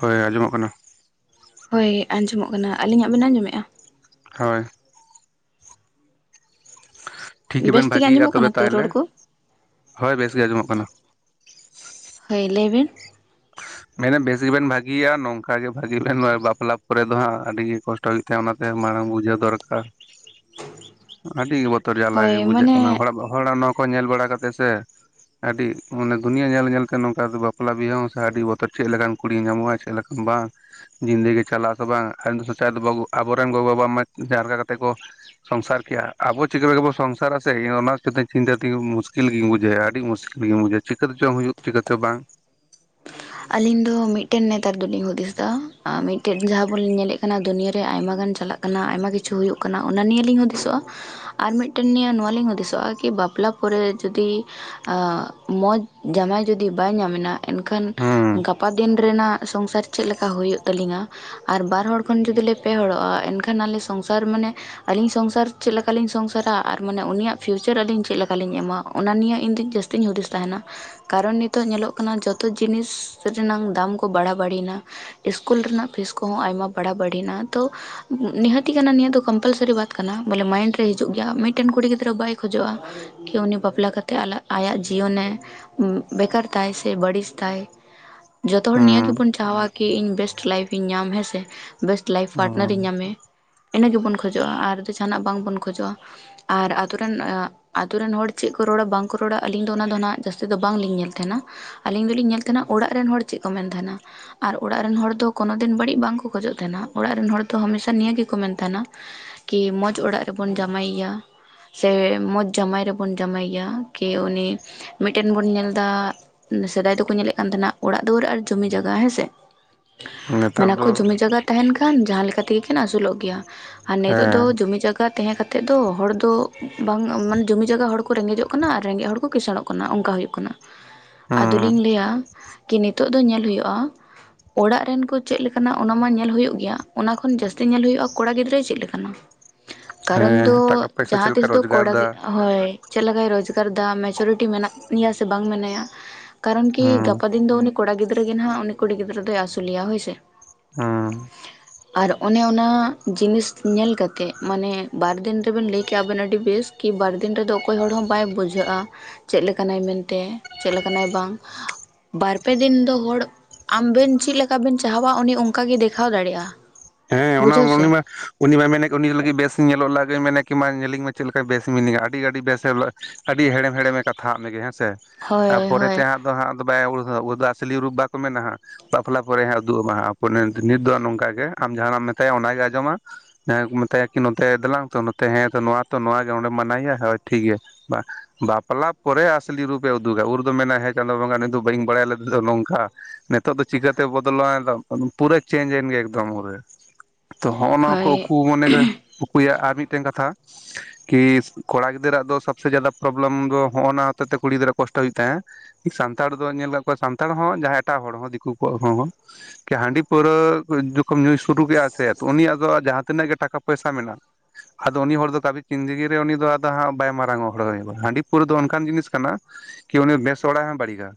ᱦᱳᱭ ᱟᱸᱡᱚᱢᱚᱜ ᱠᱟᱱᱟ᱾ ᱦᱳᱭ ᱟᱸᱡᱚᱢᱚᱜ ᱠᱟᱱᱟ ᱟᱹᱞᱤᱧᱟᱜ ᱵᱮᱱ ᱟᱸᱡᱚᱢᱮᱜ-ᱟ᱾ ᱦᱳᱭ᱾ ᱴᱷᱤᱠ ᱵᱮᱥ ᱜᱮᱵᱮᱱ ᱛᱮᱜᱮ ᱵᱷᱟᱹᱜᱤᱭᱮᱜ-ᱟ ᱟᱸᱡᱚᱢᱚᱜ ᱠᱟᱱᱟ ᱛᱚᱵᱮ ᱛᱚ ᱛᱟᱦᱚᱞᱮ ᱨᱚᱲ ᱠᱚ ᱦᱳᱭ ᱵᱮᱥ ᱜᱮ ᱟᱸᱡᱚᱢᱚᱜ ᱠᱟᱱᱟ᱾ ᱦᱳᱭ ᱞᱟᱹᱭ ᱵᱤᱱ᱾ ᱢᱮᱱᱮᱜ ᱵᱮᱥ ᱜᱮᱵᱮᱱ ᱵᱷᱟᱹᱜᱤᱭᱟ ᱱᱚᱝᱠᱟ ᱜᱮ ᱵᱷᱟᱹᱜᱤ ᱞᱮᱱ ᱵᱟ ᱵᱟᱯᱞᱟ ᱯᱚᱨᱮ ᱫᱚ ᱦᱟᱸᱜ ᱟᱹᱰᱤ ᱜᱮ ᱠᱚᱥ ᱴᱚ [unintelligible] ᱚᱱᱟᱛᱮ ᱢᱟᱬᱟᱝ ᱵᱩᱡᱷᱟᱹᱣ ᱫᱚᱨᱠᱟᱨ ᱟᱹᱰᱤ ᱜᱮ ᱵᱚ ᱛᱚᱨ ᱡᱟᱞᱟ ᱦᱳᱭ ᱜᱮ ᱵᱩᱡᱟᱹᱜ ᱠᱟᱱᱟ ᱢᱟᱱᱮ ᱦᱚᱲᱟᱜ ‌‌ᱵᱟ ᱦᱚᱲᱟᱜ ᱱᱚᱶᱟ ᱠᱚ ᱧᱮᱞ ᱵᱟᱲᱟ ᱠᱟᱛᱮᱜ ᱥᱮ ᱟᱹᱰᱤ ᱩᱸ ᱢᱟᱱᱮ ᱫᱩᱱᱤᱭᱟᱹ ᱧᱮᱞ ᱧᱮᱞᱛᱮ ᱱᱚᱝᱠᱟ ᱵᱟᱯᱞᱟ ᱵᱤᱦᱟᱹ ᱦᱚᱸ ᱥᱮ ᱟᱹᱰᱤ ᱵᱚ ᱛᱚᱨ‌ ‌ᱪᱮᱜ ᱞᱮᱠᱟᱱ ᱠᱩᱲᱤᱭ ᱧᱟᱢᱚᱜ-ᱟ ᱪᱮᱜ ᱞᱮᱠᱟ ᱵᱟᱝ᱾ ᱡᱤᱱᱫᱟᱹᱜᱤ ᱜᱮ ᱪᱟᱞᱟᱜ-ᱟ ᱥᱮ ᱵᱟᱝ ᱟ [unintelligible] ᱟᱵᱚ ᱨᱮᱱ ᱜᱚᱼᱵᱟᱵᱟ ᱢᱟ ᱡᱟᱦᱟᱸ ᱞᱮᱠᱟ ᱠᱟᱛᱮᱜ ᱠᱚ ᱥᱚᱝᱥᱟᱨ ᱠᱮᱜ-ᱟ ᱟᱵᱚ ᱪᱤᱠᱟᱹ ᱞᱮᱠᱟ ᱵᱚ ᱥᱚᱝᱥᱟᱨᱟ ᱥᱮ ᱮᱭ ᱚᱱᱟ [unintelligible] ᱪᱤᱱᱛᱟᱹ ᱛᱤᱜᱤ ᱢᱩᱥᱠᱤᱞ ᱜᱤᱧ ᱵᱩᱡᱷᱟᱹ ᱮᱭᱟ ᱟᱹᱰᱤ ᱢᱩᱥ ᱠᱤᱞ‌ ᱜᱤᱢᱧ ᱵᱩᱡᱷᱟᱹᱣ ᱪᱤᱠᱟᱹ ᱛᱮ ᱪᱚᱝ ᱦᱩᱭᱩᱜ ᱪᱤᱠᱟᱹ ᱛᱮ‌ ᱪᱚ ᱵᱟᱝ᱾ ᱟᱹᱞᱤᱧ ᱫᱚ ᱢᱤᱫᱴᱮᱱ ᱱᱮᱛᱟᱨ ᱫᱚᱞᱤᱧ ᱦᱩᱫᱤᱥ ᱫᱟ ᱟ ᱢᱤᱫᱴᱮᱱ ᱡᱟᱦᱟᱸ ᱵᱚᱱ ᱧᱮᱞᱮᱜ ᱠᱟᱱᱟ ᱫᱩᱱᱭᱟᱹ ᱨᱮ ᱟᱭᱢᱟ ᱜᱟᱱ ᱪᱟᱞᱟᱜ ᱠᱟᱱᱟ ᱟᱭᱢᱟ ᱠᱤᱪᱷᱩ ᱦᱩᱭᱩᱜ ᱠᱟᱱᱟ ᱚᱱᱟ ᱱᱤᱭᱟᱹ ᱞᱤᱧ ᱦᱩᱫᱤᱥᱚᱜ-ᱟ᱾ ᱟᱨ ᱢᱮᱫᱴᱮᱱ ᱱᱤᱭᱟᱹ ᱱᱚᱣᱟ ᱞᱤᱧ ᱦᱩᱫᱤᱥᱚᱜ-ᱟ ᱠᱤ ᱵᱟᱯᱞᱟ ᱯᱚᱨᱮ ᱡᱩᱫᱤ ᱟᱻᱢᱚᱡᱽ ᱡᱟᱢᱟᱭ ᱡᱩᱫᱤ ᱵᱟᱭ ᱧᱟᱢᱮᱱᱟ ᱮᱱᱠᱷᱟᱱ ᱦᱩᱸ ᱜᱟᱯᱟ ᱫᱤᱱ ᱨᱮᱱᱟᱜ ᱥᱚᱝᱥᱟᱨ ᱪᱮᱜ ᱞᱮᱠᱟ ᱦᱩᱭᱩᱜ ᱛᱟᱹᱞᱤᱝᱟ᱾ ᱟᱨ ᱵᱟᱨ ᱦᱚᱲ ᱠᱷᱚᱱ ᱡᱩᱫᱤ ᱞᱮ ᱯᱮ ᱦᱚᱲᱚᱜ-ᱟ ᱮᱱᱠᱷᱟᱱ ᱟᱞᱮ ᱥᱚᱝᱥᱟᱨ ᱢᱟᱱᱮᱼᱼ ᱟᱹᱞᱤᱧ ᱥᱚᱝᱥᱟᱨ ᱪᱮᱜ ᱞᱮᱠᱟ ᱞᱤᱧ ᱥᱚᱝᱥᱟᱨᱟ, ᱟᱨ ᱢᱟᱱᱮ ᱩᱱᱤᱭᱟᱜ ᱯᱷᱤᱭᱩᱪᱚᱨ ᱟᱹᱞᱤᱧ ᱪᱮᱜ ᱞᱮᱠᱟ ᱞᱤᱧ ᱮᱢᱟ ᱚᱱᱟ ᱱᱤᱭᱮ ᱤᱧ ᱫᱩᱧ ᱡᱟᱹᱥᱼᱼ ᱛᱤᱧ ᱦᱩᱫᱤᱥ ᱛᱟᱦᱮᱱᱟ᱾ ᱠᱟᱨᱚᱱ ᱱᱤᱛᱚᱜ ᱧᱮᱞᱚᱜ ᱠᱟᱱᱟ ᱡᱚᱛᱚ ᱡᱤᱱᱤᱥ ᱨᱮᱱᱟᱝ ᱫᱟᱢ ᱠᱚ ᱵᱟᱦᱟ ᱵᱟᱲᱤᱭᱮᱱᱟ᱾ ᱤᱥᱠᱩᱞ ᱨᱮᱱᱟᱜ ᱯᱷᱤᱥ ᱠᱚᱸᱦᱚᱸ ᱟᱭᱢᱟ ᱵᱟᱲᱟ ᱵᱟᱲᱤᱱᱟ, ᱛᱚᱼᱼ ᱱᱤᱦᱟᱹᱛᱤ ᱠᱟᱱᱟ ᱱᱤᱭᱟᱹ ᱫᱚ ᱠᱚᱢᱯᱟᱞᱥᱟᱨᱤ ᱵᱟᱛ ᱠᱟᱱᱟ, ᱵᱚᱞᱮ ᱢᱟᱭᱤᱱᱰ ᱨᱮ ᱦᱤᱡᱩᱜ ᱜᱮᱭᱟ ᱢᱤᱫᱴᱮᱱ ᱠᱩᱲᱤ ᱜᱤᱫᱽᱨᱟᱹ ᱵᱟᱭ ᱠᱷᱚᱡᱚᱜᱼᱟ ᱠᱤ ᱩᱱᱤ ᱵᱟᱯᱞᱟ ᱠᱟᱛᱮᱜ ᱟᱠᱟᱜ ᱟᱭᱟᱜ ᱡᱤᱭᱚᱱᱮ ᱩᱸᱜ ᱵᱮᱠᱟᱨ ᱛᱟᱭ ᱥᱮ ᱵᱟᱹᱲᱤᱥ ᱛᱟᱭ᱾ ᱡᱚᱛᱚ ᱦᱚᱲ ᱱᱤᱭᱟᱹ ᱦᱩᱸ ᱜᱮᱵᱚᱱ ᱪᱟᱦᱟᱣᱟ ᱠᱤ ᱤᱧ ᱵᱮᱥᱴ ᱞᱟᱭᱤᱯᱷ ᱤᱧ ᱧᱟᱢ ᱦᱮᱸᱥᱮ᱾ ᱵᱮᱥᱴ ᱞᱟᱭᱤᱯᱷ ᱯᱟᱴᱱᱟᱨᱮ ᱤᱧ ᱧᱟᱢᱮ᱾ ᱤᱱᱟᱹ ᱜᱮᱵᱚᱱ ᱠᱷᱚᱡᱚᱜᱼᱟ ᱟᱨ ᱡᱮ. ᱡᱟᱦᱟᱱᱟᱜ ᱵᱟᱝᱵᱚᱱ ᱠᱷᱚᱡᱚᱜᱼᱟ᱾ ᱟᱨ ᱟᱛᱩᱨᱮᱱ ᱟᱸᱜ᱾ ᱟᱛᱩ ᱨᱮᱱ ᱦᱚᱲ ᱪᱮᱫ ᱠᱚ ᱨᱚᱲᱟ ᱵᱟᱝᱠᱚ ᱨᱚᱲᱟ ᱟᱞᱤᱧ ᱫᱚ ᱚᱱᱟ ᱫᱚ ᱱᱟᱦᱜ ᱡᱟᱹᱥᱛᱤ ᱫᱚ ᱵᱟᱝᱞᱤᱧ ᱧᱮᱞ ᱛᱟᱦᱮᱸᱱᱟ᱾ ᱟᱞᱤᱧ ᱫᱚᱞᱤᱧ ᱧᱮᱞ ᱛᱟᱦᱮᱱᱟ ᱚᱲᱟᱜ ᱨᱮᱱ ᱦᱚᱲ ᱪᱮᱫ ᱠᱚ ᱢᱮᱱ ᱛᱟᱦᱮᱱᱟ᱾ ᱟᱨ ᱚᱲᱟᱜ ᱨᱮᱱ ᱦᱚᱲ ᱫᱚ ᱠᱳᱱᱳ ᱫᱤᱱ ᱵᱟᱹᱲᱤᱡ ᱵᱟᱝᱠᱚ ᱠᱷᱚᱡᱚᱜ ᱛᱟᱦᱮᱱᱟ, ᱚᱲᱟᱜ ᱨᱮᱱ ᱦᱚᱲ ᱫᱚ ᱦᱟᱢᱮᱥᱟ ᱱᱤᱭᱟᱹ ᱜᱮᱠᱚ ᱢᱮᱱ ᱛᱟᱦᱮᱱᱟ, ᱠᱤ ᱢᱚᱸᱡᱽ ᱚᱲᱟᱜ ᱨᱮᱵᱚᱱ ᱡᱟᱶᱟᱭᱮᱭᱟ᱾ ᱥᱮ ᱢᱚᱡᱽ ᱡᱟᱢᱶᱟᱭ ᱨᱮᱵᱚᱱ ᱡᱟᱶᱟᱭ ᱜᱮᱭᱟ ᱠᱤ ᱩᱱᱤ ᱢᱤᱫᱴᱮᱱ ᱵᱚᱱ ᱧᱮᱞ ᱮᱫᱟᱻ ᱥᱮᱫᱟᱭ ᱫᱚᱠᱚ ᱧᱮᱞᱮᱫ ᱠᱟᱱ ᱛᱟᱦᱮᱱᱟ ᱚᱲᱟᱜ ᱫᱩᱣᱟᱹᱨ ᱟᱨ ᱡᱚᱢᱤ ᱡᱟᱭᱜᱟ ᱦᱮᱸ ᱥᱮ, ᱦᱩᱸ ᱱᱮᱛᱟᱨ ᱢᱮᱱᱟᱠᱚ ᱫᱚ ᱡᱚᱢᱤ ᱡᱟᱭᱜᱟ ᱛᱟᱦᱮᱱ ᱠᱷᱟᱱ ᱡᱟᱦᱟᱸ ᱞᱮᱠᱟ ᱛᱮᱜᱮᱠᱤᱱ ᱟᱹᱥᱩᱞᱚᱜ ᱜᱮᱭᱟ᱾ ᱟᱨ ᱱᱤᱛᱚᱜ ᱫᱚ ᱦᱮᱸ ᱡᱚᱢᱤ ᱡᱟᱜᱟᱼ ᱜᱟ ᱛᱟᱦᱮᱸ ᱠᱟᱛᱮᱫ ᱫᱚ ᱦᱚᱲ ᱫᱚ ᱵᱟᱝ ᱢᱟᱱᱮ ᱡᱩᱚᱢᱤ ᱡᱟᱭᱟ ᱦᱚᱲ ᱠᱚ ᱨᱮᱸᱜᱮᱡᱚᱜ ᱠᱟᱱᱟ ᱟᱨ ᱨᱮᱸᱜᱮᱡ ᱦᱚᱲ ᱠᱚ ᱠᱤᱥᱥᱬᱚᱜ ᱠᱟᱱᱟ᱾ ᱠᱟᱱᱟ ᱚᱱᱠᱟ ᱦᱩᱭᱩᱜ ᱠᱟᱱᱟ᱾ ᱦᱩᱸ ᱟᱫᱚᱞᱤᱧ ᱞᱟᱹᱭᱟ, ᱠᱤ ᱱᱤᱛᱚᱜ ᱫᱚ ᱧᱮᱞ ᱦᱩᱭᱩᱜᱼᱟ ᱚᱲᱟᱜ ᱨᱮᱱ ᱠᱚ ᱪᱮᱫ ᱞᱮᱠᱟᱟᱱᱟ ᱚᱱᱟ ᱢᱟ ᱧᱮᱞᱳᱭᱳᱜ ᱜᱮᱭᱟ ᱚᱱᱟ ᱠᱷᱚᱱ ᱡᱟᱹᱥᱛᱤ ᱧᱮᱞᱳᱭᱳᱜ-ᱟ ᱠᱚᱲᱟ ᱜᱤᱫᱽᱨᱟᱹᱭ ᱪᱮᱫ ᱞᱮᱠᱟᱱᱟ᱾ ᱠᱟᱨᱚᱱ ᱫᱚ ᱦᱮᱸ ᱴᱟᱠᱟ ᱯᱚᱭᱥᱟ ᱪᱮᱫ ᱡᱟᱦᱟᱸ ᱞᱮᱠᱟ ᱛᱤᱥ ᱫᱚ ᱨᱳᱡᱽᱜᱟᱨ ᱠᱚᱲᱟᱼ ᱫᱟ ᱦᱳᱭ ᱪᱮᱫ ᱞᱮᱠᱟᱭ ᱨᱳᱡᱽᱜᱟᱨ ᱮᱫᱟ, ᱢᱮᱪᱚᱨᱤᱴᱤ ᱢᱮᱱᱟᱜ ᱱᱤᱭᱟ ᱥᱮ ᱵᱟᱝ ᱢᱮᱱᱟᱭᱟ, ᱠᱟᱨᱚᱱ ᱠᱤ ᱦᱩᱸ ᱜᱟᱯᱟ ᱫᱤᱱ ᱫᱚ ᱩᱱᱤ ᱠᱚᱲᱟ ᱜᱤᱫᱽᱨᱟᱹ ᱜᱮ ᱱᱟᱦᱜ ᱩᱱᱤ ᱠᱩᱲᱤ ᱜᱤᱫᱽᱨᱟᱹ ᱫᱚᱭ ᱟᱹᱥᱩᱞᱮᱭᱟ ᱦᱳᱭᱥᱮ᱾ ᱩᱸ ᱟᱨ ᱚᱱᱮ ᱚᱱᱟ ᱡᱤᱱᱤᱥ ᱧᱮᱞ ᱠᱟᱛᱮᱫ ᱢᱟᱱᱮ ᱵᱟᱨᱫᱤᱱ ᱨᱮᱵᱮᱱ ᱞᱟᱹᱭ ᱠᱮᱜ-ᱟᱵᱮᱱ ᱟᱹᱰᱤ ᱵᱮᱹᱥ᱾ ᱠᱤ ᱵᱟᱨ ᱫᱤᱱ ᱨᱮᱫᱚ ᱚᱠᱚᱭ ᱦᱚᱲ ᱦᱚᱸ ᱵᱟᱭ ᱵᱩᱡᱷᱟᱹᱜᱼᱟ, ᱪᱮᱫ ᱞᱮᱠᱟᱱᱟᱭ ᱢᱮᱱᱛᱮ ᱪᱮᱫ ᱞᱮᱠᱟᱱᱟᱭ ᱵᱟᱝ, ᱵᱟᱨ ᱯᱮ ᱫᱤᱱ ᱫᱚ ᱦᱚᱲ ᱟᱢᱵᱮᱱ ᱪᱮᱫ ᱞᱮᱠᱟ ᱵᱮᱱ ᱪᱟᱦᱟᱣᱟ ᱩᱱᱤ ᱚᱱᱠᱟ ᱜᱮ ᱫᱮᱠᱷᱟᱣ ᱫᱟᱲᱮᱭᱟᱜᱼᱟ᱾ ᱦᱮᱸᱻ ᱚᱱᱟ ᱵᱩᱡᱷᱟᱹᱣ ᱩᱱᱤ ᱥᱮ ᱢᱟ ᱩᱱᱤ ᱢᱟᱭ ᱢᱮᱱᱮᱫ ᱩᱱᱤ ᱞᱟᱹᱜᱤᱫ ᱵᱮᱥ ᱧᱮᱞᱚᱜ ᱞᱟᱜᱮ ᱢᱮᱱᱮ ᱠᱤ ᱢᱟ ᱧᱮᱞᱤᱧ ᱢᱮ ᱪᱮᱫ ᱞᱮᱠᱟ ᱵᱮᱥ ᱢᱤᱱᱟᱹᱧᱟ, ᱟᱹᱰᱤᱰᱤ ᱟᱰᱤ ᱵᱮᱥᱮᱼᱟ᱾ ᱟᱹᱰᱤ ᱦᱮᱲᱮᱢ ᱦᱮᱲᱮᱢᱮ ᱠᱟᱛᱷᱟᱜ ᱢᱮᱜᱮ ᱦᱮᱸᱥᱮ, ᱦᱳᱭ ᱟᱨᱯᱚᱨᱮ ᱦᱳᱭ ᱛᱮ ᱦᱟᱸᱜ ᱫᱚ ᱦᱟᱸᱜ ᱵᱟᱭ ᱩᱫᱟ ᱟᱥᱤ ᱨᱩᱯ ᱵᱟᱠᱚ ᱢᱮᱱᱟ ᱦᱟᱸᱜ᱾ ᱵᱟᱯᱞᱟ ᱯᱚᱨᱮ ᱦᱟᱸᱜ ᱩᱫᱩᱜ ᱟᱢᱟ ᱦᱟᱸᱜ ᱦᱟᱯᱳᱭ ᱱᱤᱛ ᱱᱤᱛ ᱫᱚ ᱱᱚᱝᱠᱟ ᱜᱮ, ᱟᱢ ᱡᱟᱦᱟᱱᱟᱜ ᱢᱮᱛᱟᱭᱟ ᱚᱱᱟᱜᱮ ᱟᱸᱚᱢᱟ᱾ ᱡᱟᱦᱟᱸ ᱠᱚ ᱢᱮᱛᱟᱭᱟᱤ ᱱᱚᱛᱮ ᱫᱞᱟᱝ ᱛᱚ ᱱᱚᱛᱮ ᱦᱮᱸ ᱛᱚ ᱱᱚᱣᱟ ᱱᱚᱣᱟ ᱜᱮ ᱚᱱᱮᱢ ᱢᱟᱱᱟᱣᱮᱭᱟ ᱦᱳᱭ ᱴᱷᱤᱠᱜᱮᱭᱟ ᱵᱟᱯᱞᱟ ᱯᱚᱨᱮ ᱟᱥᱞᱤ ᱨᱩᱯᱮ ᱩᱫᱩᱜᱟ, ᱩᱨ ᱫᱚ ᱢᱮᱱᱟ ᱦᱮᱸ ᱪᱟᱸᱫᱳ ᱵᱚᱸᱜᱟ ᱱᱩᱭ ᱫᱚ ᱵᱟᱹᱧ ᱵᱟᱲᱟᱭ ᱞᱮᱫᱮ ᱫᱚ ᱱᱚᱝᱠᱟ᱾ ᱱᱤᱛᱚᱜ ᱫᱚ ᱪᱤᱠᱟᱹᱛᱮ ᱵᱚᱫᱚᱞᱚᱜ-ᱟᱭ ᱫᱚ ᱯᱩᱨᱟᱹ ᱪᱮᱧᱡ ᱮᱱ ᱜᱮ ᱮᱠᱫᱚᱢ ᱯᱩᱨᱟᱹ ᱛᱚ ᱦᱚᱜᱼ ᱱᱚᱣᱟ ᱦᱳᱭ ᱢᱚᱱᱮᱨᱮ ᱩᱠᱩᱭᱟ ᱟᱨ ᱢᱤᱫᱴᱮᱱ ᱠᱟᱛᱷᱟ, ᱠᱤᱻ ᱠᱚᱲᱟ ᱜᱤᱫᱟᱹᱨ ᱟᱜ ᱫᱚ ᱥᱚᱵᱽᱮ ᱡᱟᱫᱟ ᱯᱨᱚᱞᱮᱢ ᱫᱚ ᱦᱚᱜᱼᱚᱱᱟ ᱦᱚᱛᱮ ᱛᱮ ᱠᱩᱲᱤ ᱜᱤᱫᱽᱨᱟᱹᱜ ᱠᱚᱥᱴᱚ ᱦᱩᱭᱩᱜ ᱛᱟᱦᱮᱸᱜ-ᱟ ᱥᱟᱱᱛᱟᱲ ᱫᱚ ᱧᱮᱞ ᱟᱠᱟᱫ ᱠᱚᱣᱟ ᱥᱟᱱᱛᱟᱲ ᱦᱚᱸ ᱡᱟᱦᱟᱸᱭ ᱮᱴᱟᱜ ᱦᱚᱲ ᱦᱚᱸ ᱫᱤᱠᱩ ᱠᱚᱣᱟᱜ ᱦᱚᱸᱻ ᱠᱤ ᱦᱟᱺᱰᱤ ᱯᱟᱹᱣᱨᱟᱹ ᱡᱚᱠᱷᱚᱱ ᱧᱩᱭ ᱥᱩᱨᱩ ᱠᱮᱫᱼᱟ ᱥᱮ ᱛᱚ ᱩᱱᱤᱭᱟᱜ ᱫᱚ ᱡᱟᱦᱟᱸ ᱛᱤᱱᱟᱹᱜ ᱜᱮ ᱴᱟᱠᱟ ᱯᱚᱭᱥᱟ ᱢᱮᱱᱟᱜ ᱟᱫᱚ ᱩᱱᱤ ᱦᱚᱲ ᱫᱚ ᱛᱟᱵᱤ ᱠᱤᱧᱡᱮᱹᱜᱤᱨᱮ ᱩᱱᱤ ᱫᱚ ᱟᱫᱚ ᱦᱟᱸᱜ ᱵᱟᱭ ᱢᱟᱨᱟᱝᱚᱜᱼᱟ ᱦᱚᱲ ᱦᱟᱺᱰᱤ ᱯᱟᱹᱣᱨᱟᱹ ᱫᱚ ᱚᱱᱠᱟᱱ ᱡᱤᱱᱤᱥ ᱠᱟᱱᱟ ᱠᱤ ᱩᱱᱤᱮ ᱵᱮᱥ ᱦᱚᱲᱟ ᱦᱚᱸ ᱵᱟᱟᱹᱲᱤᱜᱽ-ᱟ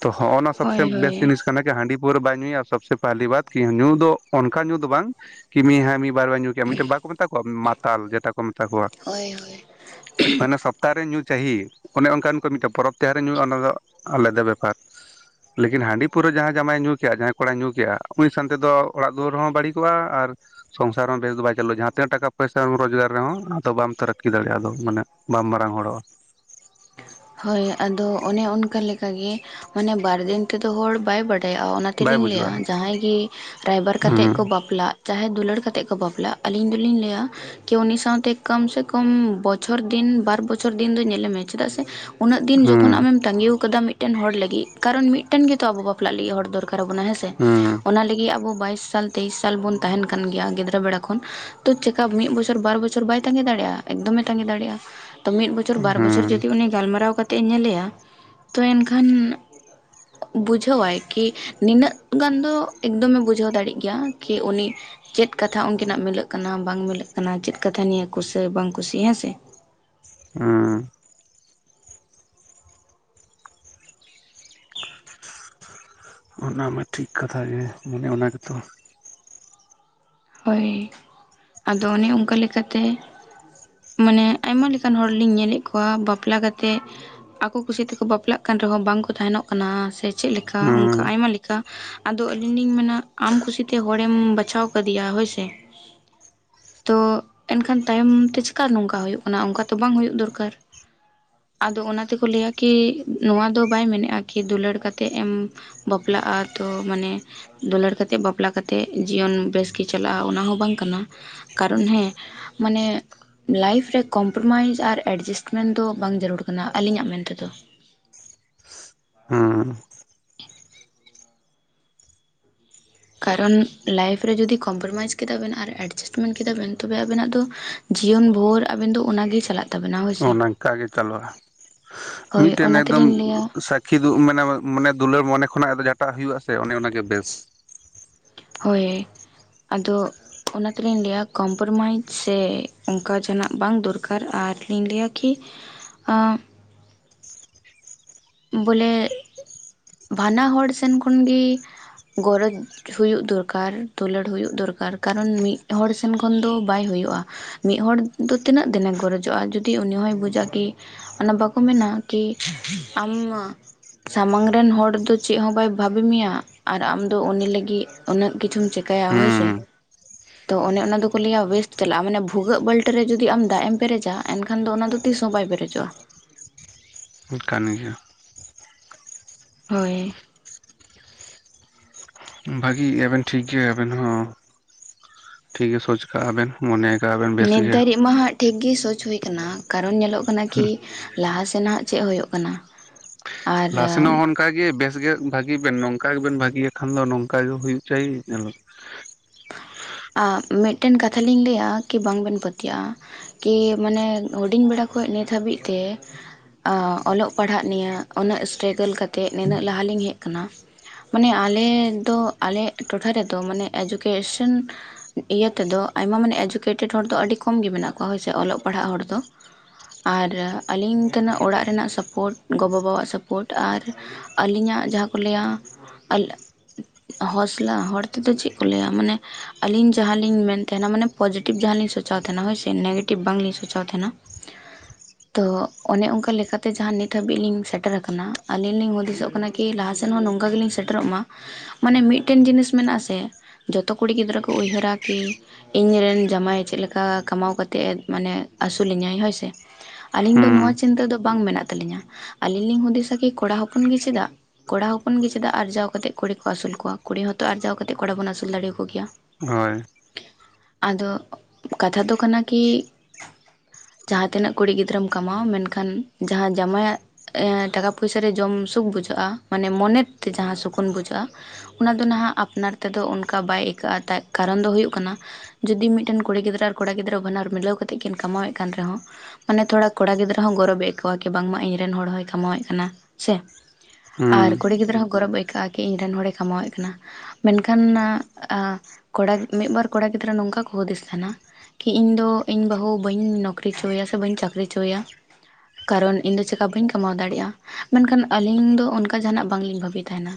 ᱛᱚ ᱦᱚᱸᱚᱱᱟ ᱥᱚᱵ ᱦᱳᱭ ᱥᱮ ᱦᱳᱭ ᱵᱮᱥᱴ ᱡᱤᱱᱤᱥ ᱠᱟᱱᱮᱠᱟ ᱦᱟᱺᱰᱤ ᱯᱟᱹᱣᱨᱟᱹ ᱵᱟᱭ ᱧᱩᱭᱟ ᱥᱚᱵᱥᱮ ᱯᱟᱦᱞᱤ ᱵᱟᱛ ᱠᱤ ᱧᱩ ᱫᱚ ᱚᱱᱠᱟ ᱧᱩ ᱫᱚ ᱵᱟᱝ ᱠᱤ ᱢᱤ ᱵᱟᱨ ᱵᱟ ᱧᱩ ᱜᱮᱭᱟᱢ ᱢᱤᱴᱤᱡ ᱵᱟᱠᱚ ᱢᱮᱛᱟ ᱠᱚᱣᱟ ᱢᱟᱛᱟᱞ ᱡᱮᱴᱟ ᱠᱚ ᱢᱮᱛᱟ ᱦᱳᱭ ᱦᱳᱭ ᱢᱟᱭᱱᱟ ᱥᱚ ᱛᱟᱨᱮ ᱧᱩ ᱪᱦᱤᱭᱮ ᱚᱱᱮ ᱚᱱᱠᱟᱱ ᱠᱚ ᱢᱤᱫᱴᱮᱱ ᱯᱚᱨᱚᱵᱽ ᱛᱮᱦᱟᱨᱮ ᱧᱩᱼᱟ ᱚᱱᱟ ᱫᱚ ᱟᱞᱮ ᱫᱚ ᱵᱮᱯᱟᱨ᱾ ᱞᱮᱠᱤᱱ ᱦᱟᱺᱰᱤ ᱯᱟᱹᱣᱟᱹ ᱡᱟᱦᱟᱸᱭ ᱡᱟᱢᱟᱭᱮ ᱧᱩ ᱠᱮᱜᱼᱟ ᱡᱟᱦᱟᱸᱭ ᱠᱚᱲᱟᱭ ᱧᱩ ᱠᱮᱜᱼᱟ ᱩᱱᱤ ᱥᱟᱱ ᱛᱮᱫᱚ ᱚᱲᱟᱜ ᱫᱩᱣᱟᱹᱨ ᱦᱚᱸ ᱵᱟᱹᱲᱤᱠ ᱠᱚᱜᱼᱟ ᱟᱨ ᱥᱚᱝᱥᱟᱨ ᱦᱚᱸ ᱵᱮᱥ ᱫᱚ ᱵᱟᱭ ᱪᱟᱹᱞᱩ ᱡᱟᱦᱟᱸ ᱛᱤᱱᱟᱜ ᱴᱟᱠᱟ ᱯᱚᱭᱥᱟᱢ ᱨᱚᱡᱽᱜᱟᱨ ᱨᱮᱦᱚᱸ ᱟᱫᱚ ᱵᱟᱢ ᱛᱟᱨᱟᱠᱤ ᱫᱟᱲᱮᱭᱟᱜᱼᱟ ᱫᱚ ᱢᱟᱱᱮ ᱵᱟᱢ ᱢᱟᱨᱟᱝ ᱦᱚᱲᱚᱜᱼᱟ᱾ ᱦᱳᱭ ᱟᱫᱚ ᱚᱱᱮ ᱚᱱᱠᱟ ᱞᱮᱠᱟ ᱜᱤ ᱢᱟᱱᱮ ᱵᱟᱨᱫᱤᱱ ᱛᱮᱫᱚ ᱦᱚᱲ ᱵᱟᱭ ᱵᱟᱲ ᱫᱟᱭᱟᱜᱼᱟ ᱚᱱᱟ ᱵᱟᱭ ᱛᱮᱞᱤᱧ ᱞᱟᱹᱭᱟ ᱵᱩᱡᱩᱜᱼᱟ ᱡᱟᱦᱟᱸᱭ ᱜᱤ ᱨᱟᱭᱵᱟᱨ ᱠᱟᱛᱮᱜ ᱠᱚ ᱦᱩᱸ ᱵᱟᱯᱞᱟᱜ ᱡᱟᱦᱮ ᱫᱩᱞᱟᱹᱲ ᱠᱟᱛᱮᱜ ᱠᱚ ᱵᱟᱯᱞᱟᱜ ᱟᱹᱞᱤᱧ ᱫᱚᱞᱤᱧ ᱞᱟᱹᱭᱟ ᱠᱤ ᱩᱱᱤ ᱥᱟᱶᱛᱮ ᱠᱟᱢ ᱥᱮ ᱠᱚᱢ ᱵᱚᱪᱷᱚᱨ ᱫᱤᱱ ᱵᱟᱨ ᱵᱚᱪᱷᱚᱨ ᱫᱤᱱ ᱫᱚ ᱧᱮᱞᱮ ᱢᱮ᱾ ᱪᱮᱫᱟᱜ ᱥᱮ ᱩᱱᱟᱹᱜ ᱫᱤᱱ ᱡᱚᱠᱷᱚᱱ ᱦᱩᱸ ᱟᱢᱮᱢ ᱛᱟᱸᱜᱤᱣ ᱠᱟᱫᱟ ᱢᱤᱫᱴᱮᱱ ᱦᱚᱲ ᱞᱟᱹᱜᱤᱜ ᱠᱟᱨᱚᱱ ᱢᱤᱫᱴᱮᱱ ᱜᱮᱚᱛ ᱟᱵᱚ ᱵᱟᱯᱞᱟᱜ ᱞᱟᱹᱜᱤᱜ ᱦᱚᱲ ᱫᱚᱨᱠᱟᱨᱚᱜ ᱠᱟᱱᱟ ᱦᱮᱸᱥᱮ᱾ ᱦᱩᱸ ᱚᱱᱟ ᱞᱟᱹᱜᱤᱜ ᱟᱵᱚ ᱵᱟᱭᱤᱥ ᱥᱟᱞ ᱛᱮᱭᱤᱥ ᱥᱟᱞ ᱵᱚᱱ ᱛᱟᱦᱮᱱ ᱠᱟᱱ ᱜᱮᱭᱟ ᱜᱤᱫᱽᱨᱟᱹ ᱵᱮᱲᱟ ᱠᱷᱚᱱ ᱛᱚ ᱪᱮᱠᱟ ᱢᱤᱫ ᱵᱚᱪᱷᱚᱨ ᱵᱟᱨ ᱵᱚᱪᱚᱨ ᱵᱟᱭ ᱛᱟᱸᱜᱤ ᱫᱟᱲᱮᱜᱼᱟ ᱮᱠᱫᱚᱢ ᱮ ᱛᱟᱸᱜᱤ ᱫᱟᱲᱤᱜᱼᱟ ᱛᱚ ᱢᱤᱫ ᱵᱚᱷᱚᱨ ᱵᱟᱨ ᱵᱚᱪᱷᱚᱨ ᱦᱩᱸ ᱡᱩᱫ ᱜᱟᱞᱢᱟᱨᱟᱣ ᱠᱟᱛᱮᱜ ᱤᱧ ᱧᱮᱞ ᱮᱜᱟ ᱛᱚ ᱮᱱᱠᱷᱟᱱ ᱵᱩᱡᱷᱟᱹᱣᱟᱭ ᱠᱤ ᱱᱤᱱᱟᱹᱜ ᱜᱟᱱ ᱫᱚ ᱮᱠᱫᱚᱢᱮ ᱵᱩᱡᱷᱟᱹᱣ ᱫᱟᱲᱤᱜ ᱜᱮᱭᱟ ᱠᱤ ᱩᱱᱤ ᱪᱮᱫ ᱠᱟᱛᱷᱟ ᱩᱱᱠᱤᱱᱟᱜ ᱢᱤᱞᱟᱹᱜ ᱠᱟᱱᱟ ᱵᱟᱝ ᱢᱤᱞᱟᱹᱜ ᱠᱟᱱᱟ ᱪᱮᱫ ᱠᱟᱛᱷᱟ ᱱᱤᱭᱟᱹ ᱠᱩᱥᱟᱹ ᱵᱟᱝ ᱠᱩᱥᱤ ᱦᱮᱸᱥᱮ᱾ ᱦᱩᱸ ᱚᱱᱟ ᱢᱟ ᱴᱷᱤᱠ ᱠᱟᱛᱷᱟ ᱜᱮ ᱢᱟᱱᱮ ᱚᱱᱟ ᱜᱮᱛᱚ ᱦᱳᱭ ᱟᱫᱚ ᱚᱱᱮ ᱚᱱᱠᱟ ᱞᱮᱠᱟᱛᱮ ᱢᱟᱱᱮ ᱟᱭᱢᱟ ᱞᱮᱠᱟᱱ ᱦᱚᱲ ᱞᱤᱧ ᱧᱮᱞᱮᱜ ᱠᱚᱣᱟ ᱵᱟᱯᱞᱟ ᱠᱟᱛᱮᱜ ᱟᱠᱚ ᱠᱩᱥᱤ ᱛᱮᱠᱚ ᱵᱟᱯᱞᱟᱜ ᱠᱟᱱ ᱨᱮᱦᱚᱸ ᱵᱟᱝ ᱠᱚ ᱛᱟᱦᱮᱱᱚᱜ ᱠᱟᱱᱟ ᱥᱮ ᱪᱮᱜ ᱞᱮᱠᱟ ᱚᱱᱠᱟ ᱦᱩᱸ ᱟᱭᱢᱟ ᱞᱮᱠᱟ ᱟᱫᱚ ᱟᱹᱞᱤᱧ ᱞᱤᱧ ᱢᱮᱱᱟ ᱟᱢ ᱠᱩᱥᱤᱛᱮ ᱦᱚᱲᱮᱢ ᱵᱟᱪᱷᱟᱣ ᱠᱟᱹᱫᱤᱭᱟ ᱦᱳᱭ ᱥᱮ᱾ ᱛᱚ ᱮᱱᱠᱷᱟᱱ ᱛᱟᱭᱚᱢ ᱛᱮ ᱪᱮᱠᱟ ᱱᱚᱝᱠᱟ ᱦᱩᱭᱩᱜ ᱠᱟᱱᱟ ᱚᱱᱠᱟ ᱛᱚ ᱵᱟᱝ ᱦᱩᱭᱩᱜ ᱫᱚᱨᱠᱟᱨ᱾ ᱟᱫᱚ ᱚᱱᱟ ᱛᱮᱠᱚ ᱞᱟᱹᱭᱟ ᱠᱤ ᱱᱚᱣᱟ ᱫᱚ ᱵᱟᱭ ᱢᱮᱱᱮᱜᱟ ᱠᱤ ᱫᱩᱞᱟᱹᱲ ᱠᱟᱛᱮᱜ ᱮᱢ ᱵᱟᱯᱞᱟᱜᱼᱟ ᱛᱚ ᱢᱟᱱᱮ ᱫᱩᱞᱟᱹᱲ ᱠᱟᱛᱮᱜ ᱵᱟᱯᱞᱟ ᱠᱟᱛᱮᱜ ᱡᱤᱭᱚᱱ ᱵᱮᱥ ᱠᱤ ᱪᱟᱞᱟᱜᱼᱟ ᱚᱱᱟ ᱦᱚᱸ ᱵᱟᱝ ᱠᱟᱱᱟ ᱠᱟᱨᱚᱱ ᱦᱮᱸ ᱢᱟᱱᱮ ᱞᱟᱭᱤᱯᱷ ᱨᱮ ᱠᱚᱢᱯᱨᱚᱢᱟᱭᱤᱡᱽ ᱟᱨ ᱮᱰᱡᱤᱥᱴᱢᱮᱱᱴ ᱫᱚ ᱵᱟᱝ ᱡᱟᱹᱨᱩᱲ ᱠᱟᱱᱟ ᱟᱞᱤᱧᱟᱜ ᱢᱮᱱ ᱛᱮᱫᱚ᱾ ᱦᱩᱸ ᱠᱟᱨᱚᱱ ᱞᱟᱭᱤᱯᱷ ᱨᱮ ᱡᱩᱫᱤ ᱠᱚᱢᱯᱨᱚᱢᱟᱭᱤᱡᱽ ᱠᱮᱫᱟ ᱵᱮᱱ ᱟᱨ ᱮᱰᱡᱟᱥᱴᱢᱮᱱ ᱠᱮᱫᱟ ᱵᱮᱱ ᱛᱚᱵᱮ ᱟᱵᱮᱱᱟᱜ ᱫᱚ ᱡᱤᱭᱚᱱ ᱵᱷᱳᱨ ᱟᱵᱮᱱ ᱫᱚ ᱚᱱᱟ ᱜᱮ ᱪᱟᱞᱟᱜ ᱛᱟᱵᱮᱱᱟ ᱚ ᱦᱳᱭᱥᱮ ᱱᱚᱝᱠᱟ ᱜᱮ ᱪᱟᱞᱟᱜᱼᱟ ᱦᱳᱭ ᱢᱤᱫᱴᱮᱱ ᱚᱱᱟ ᱮᱠᱫᱚᱢ ᱛᱮᱞᱤᱧ ᱞᱟᱹᱭᱟ ᱥᱟ ᱠᱤᱫᱩᱜ ᱢᱟᱱᱮ ᱢᱟᱱᱮ ᱫᱩᱞᱟᱹᱲ ᱢᱚᱱᱮ ᱠᱷᱚᱱᱟᱜ ᱫᱚ ᱡᱷᱟᱴᱟᱜ ᱦᱩᱭᱩᱜ-ᱟ ᱥᱮ ᱚᱱᱮ ᱚᱱᱟ ᱜᱮ ᱵᱮᱥ᱾ ᱦᱳᱭ ᱟᱫᱚ᱾ ᱚᱱᱟ ᱛᱮᱞᱤᱧ ᱞᱟᱹᱭᱟ ᱠᱚᱢᱯᱨᱚᱢᱟᱭᱤᱡᱽ ᱥᱮ ᱚᱱᱠᱟ ᱡᱟᱦᱱᱟᱜ ᱵᱟᱝ ᱫᱚᱨᱠᱟᱨ ᱟᱨ ᱞᱤᱧ ᱞᱟᱹᱭᱟ ᱠᱤ ᱟᱢ ᱵᱚᱞᱮ ᱵᱟᱱᱟ ᱦᱚᱲ ᱥᱮᱱ ᱠᱷᱚᱱ ᱜᱤ ᱜᱚᱨᱚᱡᱽ ᱦᱩᱭᱩᱜ ᱫᱚᱨᱠᱟᱨ ᱫᱩᱞᱟᱹᱲ ᱦᱩᱭᱩᱜ ᱫᱚᱨᱠᱟᱨ ᱠᱟᱨᱚᱱ ᱢᱤᱫ ᱦᱚᱲ ᱥᱮᱱ ᱠᱷᱚᱱ ᱫᱚ ᱵᱟᱭ ᱦᱩᱭᱩᱜᱼᱟ᱾ ᱢᱤᱫ ᱦᱚᱲ ᱫᱚ ᱛᱤᱱᱟᱹᱜ ᱫᱤᱱᱮ ᱜᱚᱨᱚᱡᱚᱜᱼᱟ ᱡᱩᱫᱤ ᱩᱱᱤ ᱦᱚᱭ ᱵᱩᱡᱟ ᱠᱤ ᱚᱱᱟ ᱵᱟᱠᱩ ᱢᱮᱱᱟ ᱠᱤ ᱟᱢ ᱥᱟᱢᱟᱝ ᱨᱮᱱ ᱦᱚᱲ ᱫᱚ ᱪᱮᱜ ᱦᱚᱸ ᱵᱟᱭ ᱵᱷᱟᱵᱤ ᱢᱮᱭᱟ ᱟᱨ ᱟᱢᱫᱚ ᱩᱱᱤ ᱞᱟᱹᱜᱤᱜ ᱩᱱᱟᱹᱜ ᱠᱤᱪᱷᱩᱢ ᱪᱮᱠᱟᱭᱟ ᱦᱳᱭᱥᱮ᱾ ᱦᱩᱸ ᱛᱚ ᱚᱱᱮ ᱚᱱᱟ ᱫᱚᱠᱚ ᱞᱟᱹᱭᱟ ᱳᱭᱮᱥᱴ ᱪᱟᱞᱟᱜᱼᱟ ᱢᱟᱱᱮ ᱵᱷᱩᱜᱟᱹᱜ ᱵᱟᱹᱞᱴᱤ ᱨᱮ ᱡᱩᱫᱤ ᱟᱢ ᱫᱟᱜ ᱮᱢ ᱯᱮᱨᱮᱡᱟ ᱮᱱᱠᱷᱟᱱ ᱫᱚ ᱚᱱᱟᱫᱚ ᱛᱤᱥ ᱦᱚᱸ ᱵᱟᱭ ᱯᱮᱨᱮᱡᱚᱜᱼᱟ᱾ ᱠᱟᱱᱟ ᱜᱮᱭᱟ᱾ ᱦᱳᱭ᱾ ᱵᱷᱟᱜᱤ ᱜᱮᱭᱟ ᱵᱮᱱ ᱴᱷᱤᱠ ᱜᱮᱭᱟ ᱵᱮᱱ ᱦᱚᱸ ᱴᱷᱤᱠ ᱜᱮ ᱥᱳᱪ᱾ ᱵᱮᱱ ᱢᱚᱱᱮᱭ ᱠᱟᱜᱼᱟ ᱵᱮᱱ ᱵᱮᱥ ᱱᱤᱛ ᱜᱮ᱾ ᱫᱷᱟᱹᱨᱤᱡ ᱢᱟ ᱦᱟᱸᱜ ᱴᱷᱤᱠ ᱜᱮ ᱥᱳᱪ ᱦᱩᱭ ᱟᱠᱟᱱᱟ ᱠᱟᱨᱚᱱ ᱧᱮᱞᱚᱜ ᱠᱟᱱᱟ ᱠᱤ ᱞᱟᱦᱟ ᱥᱮᱱᱟᱜ ᱪᱮᱫ ᱦᱩᱭᱩᱜᱳᱜ ᱠᱟᱱᱟ᱾ ᱟᱨ ᱞᱥᱱᱟᱜ ᱦᱚᱸ᱾ ᱱᱚᱝᱠᱟ ᱜᱮ ᱵᱮᱥ ᱜᱮ ᱵᱷᱟᱜᱤ ᱵᱮᱱ ᱱᱚᱝᱠᱟ ᱜᱮᱵᱮᱱ ᱵᱷᱤ ᱜᱮ ᱠᱷᱟᱱ ᱫᱚ ᱱᱚᱝᱠᱟ ᱜᱮ ᱦᱩᱭᱩᱜ ᱪᱟᱭ᱾ ᱟᱨ ᱢᱤᱫᱴᱮᱱ ᱠᱟᱛᱷᱟ ᱞᱤᱧ ᱞᱟᱹᱭᱟ ᱠᱤ ᱵᱟᱝ ᱵᱮᱱ ᱯᱟᱹᱛᱭᱟᱹᱜᱼᱟ᱾ ᱠᱤ ᱢᱟᱱᱮ ᱦᱩᱰᱤᱧ ᱵᱮᱲᱟ ᱠᱷᱚᱡ ᱱᱤᱛ ᱦᱟᱹᱵᱤᱡ ᱛᱮ᱾ ᱚᱞᱚᱜ ᱯᱟᱲᱦᱟᱜ ᱱᱤᱭᱮ ᱩᱱᱟᱹᱜ ᱥᱴᱨᱮᱟᱜᱞ ᱠᱟᱛᱜ ᱱᱤᱱᱟᱹᱜ ᱞᱟᱦᱟ ᱞᱤᱧ ᱦᱮᱡ ᱠᱟᱱᱟ᱾ ᱢᱟᱱᱮ ᱟᱞᱮ ᱫᱚ ᱟᱞᱮ ᱴᱚᱴᱷᱟ ᱨᱮᱫᱚ ᱢᱟᱱᱮ ᱮᱰᱩᱠᱮᱥᱚᱱ᱾ ᱤᱭᱟᱹ ᱛᱮᱫᱚ ᱟᱭᱢᱟ ᱢᱟᱱᱮ ᱮᱰᱩᱠᱮᱴᱮᱰ ᱦᱚᱲ ᱫᱚ ᱟᱹᱰᱤ ᱠᱚᱢ ᱜᱮ ᱢᱮᱱᱟᱜ ᱠᱚᱣᱟ ᱦᱳᱭᱥᱮ ᱚᱞᱚᱜ ᱯᱟᱲᱦᱟᱜ ᱦᱚᱲ ᱫᱚ᱾ ᱟᱨ ᱟᱹᱞᱤᱧ ᱛᱮᱱᱟᱜ ᱚᱲᱟᱜ ᱨᱮᱱᱟᱜ ᱥᱟᱯᱳᱴ ᱜᱚ ᱵᱟᱵᱟᱣᱟᱜ ᱥᱟᱯᱳᱴ ᱟᱨ᱾ ᱟᱹᱞᱤᱧᱟᱜ ᱡᱟᱦᱟᱸ ᱠᱚ ᱞᱟᱹᱭᱟ᱾ ᱚᱞᱚᱜ ᱦᱚᱥᱞᱟ ᱦᱚᱲ ᱛᱮᱫᱚ ᱪᱮᱫ ᱠᱚ ᱞᱟᱹᱭᱟ ᱢᱟᱱᱮ᱾ ᱟᱞᱤᱧ ᱡᱟᱦᱟᱞᱤᱧ ᱢᱮᱱ ᱛᱟᱦᱮᱱᱟ ᱢᱟᱱᱮ ᱯᱚᱡᱮᱴᱤᱵᱷ ᱡᱟᱦᱟᱞᱤᱧ ᱥᱚᱪᱟᱣ ᱛᱟᱦᱮᱱᱟ ᱦᱳᱭᱥᱮ ᱱᱮᱜᱮᱴᱤᱵᱽ ᱵᱟᱝᱞᱤᱧ ᱥᱚᱪᱟᱣ ᱛᱟᱦᱮᱱᱟ᱾ [inaudible] ᱛᱚ ᱚᱱᱮ ᱚᱱᱠᱟ ᱞᱮᱠᱟᱛᱮ ᱡᱟᱦᱟᱸ ᱱᱤᱛ ᱦᱟᱹᱵᱤᱡ ᱞᱤᱧ ᱥᱮᱴᱮᱨ ᱟᱠᱟᱱᱟ ᱟᱹᱞᱤᱧ ᱞᱤᱧ ᱦᱩᱫᱤᱥᱚᱜ ᱠᱟᱱᱟ᱾ ᱠᱤ ᱞᱟᱦᱟ ᱥᱮᱱ ᱦᱚᱸ ᱱᱚᱝᱠᱟ ᱜᱮᱞᱤᱧ ᱥᱮᱴᱮᱨᱚᱜ ᱢᱟ ᱢᱟᱱᱮ ᱢᱤᱫᱴᱮᱱ ᱡᱤᱱᱤᱥ ᱢᱮᱱᱟᱜ-ᱟ ᱥᱮ ᱡᱷᱚᱛᱚ ᱠᱩᱲᱤ ᱜᱤᱫᱽᱨᱟᱹ ᱠᱚ᱾ ᱠᱚ ᱩᱭᱦᱟᱹᱨᱟ ᱠᱤ᱾ ᱤᱧᱨᱮᱱ ᱡᱟᱢᱟᱭ ᱪᱮᱫ ᱞᱮᱠᱟ ᱠᱟᱢᱟᱣ ᱠᱟᱛᱮᱫ ᱮ ᱢᱟᱱᱮ ᱟᱥᱩᱞᱤᱧᱟᱭ ᱦᱳᱭᱥᱮ᱾ ᱟᱞᱤᱧ ᱫᱚ ᱱᱚᱣᱟ ᱦᱩᱸ ᱪᱤᱱᱛᱟᱹ ᱫᱚ ᱵᱟᱝ ᱢᱮᱱᱟᱜ ᱛᱟᱞᱤᱧᱟ ᱟᱞᱤᱧ ᱞᱤᱧ ᱦᱩᱫᱤᱥᱟ ᱠᱤ ᱠᱚᱲᱟ ᱦᱚᱯᱚᱱ ᱜᱮ ᱪᱮᱫᱟᱜ᱾ ᱠᱚᱲᱟ ᱦᱚᱯᱚᱱ ᱜᱮ ᱪᱮᱫᱟᱜ ᱟᱨᱡᱟᱣ ᱠᱟᱛᱮᱫ ᱠᱩᱲᱤ ᱠᱚ ᱟᱹᱥᱩᱞ ᱠᱚᱣᱟ ᱠᱩᱲᱤ ᱦᱚᱸᱛᱚ ᱟᱨᱡᱟᱣ ᱠᱟᱛᱮᱫ ᱠᱚᱲᱟ ᱵᱚᱱ ᱟᱥᱩᱞ ᱫᱟᱲᱮᱭᱟᱠᱚ ᱜᱮᱭᱟ᱾ ᱦᱳᱭ᱾ ᱟᱫᱚ ᱠᱟᱛᱷᱟ ᱫᱚ ᱠᱟᱱᱟ ᱠᱤ᱾ ᱡᱟᱦᱟᱸ ᱛᱤᱱᱟᱹᱜ ᱠᱩᱲᱤ ᱜᱤᱫᱽᱨᱟᱹᱨᱮᱢ ᱠᱟᱢᱟᱣ ᱢᱮᱱᱠᱷᱟᱱ ᱡᱟᱦᱟᱸ ᱡᱟᱢᱟᱭᱟᱜ᱾ ᱮᱸ ᱴᱟᱠᱟ ᱯᱚᱭᱥᱟᱨᱮ ᱡᱚᱢ ᱥᱩᱠ ᱵᱩᱡᱷᱟᱹᱜᱼᱟ ᱢᱟᱱᱮ ᱢᱚᱱᱮᱛᱮ ᱡᱟᱦᱟᱸ ᱥᱚᱠᱩᱱ ᱵᱩᱡᱷᱟᱹᱜᱼᱟ᱾ ᱚᱱᱟ ᱫᱚ ᱱᱟᱦᱟᱜ ᱟᱯᱱᱟᱨ ᱛᱮᱫᱚ ᱚᱱᱠᱟ ᱵᱟᱭ ᱟᱹᱭᱠᱟᱹᱜᱼᱟ ᱛᱟᱡ᱾ ᱠᱟᱨᱚᱱ ᱫᱚ ᱦᱩᱭᱩᱜ ᱠᱟᱱᱟ ᱡᱩᱫᱤ ᱢᱤᱫᱴᱮᱱ ᱠᱩᱲᱤ ᱜᱤᱫᱽᱨᱟᱹ ᱟᱨ ᱠᱚᱲᱟ ᱜᱤᱫᱽᱨᱟᱹ ᱵᱟᱱᱟ ᱦᱚᱲ ᱢᱤᱞᱟᱹᱣ ᱠᱟᱛᱮᱜ ᱠᱤᱱ ᱠᱟᱢᱟᱣᱮᱫ ᱠᱟᱱ ᱨᱮᱦᱚᱸ᱾ ᱢᱟᱱᱮ ᱛᱷᱚᱲᱟ ᱠᱚᱲᱟ ᱜᱤᱫᱽᱨᱟᱹ ᱦᱚᱸ ᱜᱚᱨᱚᱵᱽᱮ ᱟᱹᱭ ᱠᱟᱹᱣᱟ ᱠᱤ ᱵᱟᱝᱢᱟ ᱤᱧ ᱨᱮᱱ ᱦᱚᱲ ᱦᱚᱸᱭ ᱠᱟᱢᱟᱣᱮᱫ ᱠᱟᱱᱟ ᱥᱮ᱾ ᱦᱩᱸ ᱟᱨ ᱠᱩᱲᱤ ᱜᱤᱫᱽᱨᱟᱹ ᱦᱚᱸ ᱜᱚᱨᱚᱵᱽ ᱟᱹᱭᱠᱟᱹᱜᱼᱟ ᱠᱤ ᱤᱧ ᱨᱮᱱ ᱦᱚᱲᱮ ᱠᱟᱢᱟᱣᱮᱫ ᱠᱟᱱᱟ᱾ ᱢᱮᱱᱠᱷᱟᱱ ᱱᱟᱜ ᱟᱸ ᱠᱚᱲᱟ ᱢᱤᱫᱵᱟᱨ ᱠᱚᱲᱟ ᱜᱤᱫᱽᱨᱟᱹ ᱱᱚᱝᱠᱟ ᱠᱚ ᱦᱩᱫᱤᱥ ᱛᱟᱦᱮᱱᱟ᱾ ᱠᱤ ᱤᱧ ᱫᱚ ᱤᱧ ᱵᱟᱹᱦᱩ ᱵᱟᱹᱧ ᱱᱚᱠᱨᱤᱪᱚᱭᱟᱭᱟ ᱥᱮ ᱵᱟᱹᱧ ᱪᱟᱠᱨᱤ ᱦᱚᱪᱚ ᱟᱭᱟᱭᱟ᱾ ᱠᱟᱨᱚᱱ ᱤᱧ ᱫᱚ ᱪᱮᱠᱟ ᱵᱟᱹᱧ ᱠᱟᱢᱟᱣ ᱫᱟᱲᱮᱭᱟᱜᱼᱟ᱾ ᱢᱮᱱᱠᱷᱟᱱ ᱟᱹᱞᱤᱧ ᱫᱚ ᱚᱱᱠᱟ ᱡᱟᱦᱟᱱᱟᱜ ᱵᱟᱝᱞᱤᱧ ᱵᱷᱟᱹᱵᱤ ᱛᱟᱦᱮᱸᱱᱟ᱾